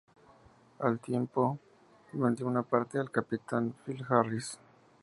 Al tiempo, vendió una parte al capitán Phil Harris.